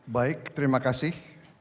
baik terima kasih